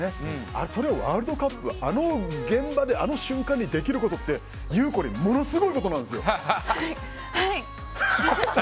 それをワールドカップあの現場であの瞬間にできることってゆうこりんものすごいことなんですよ。